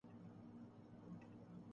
امریکا نے جرمنی کے ماسک سے لدے جہاز کو